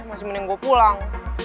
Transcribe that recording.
masih mending gue pulang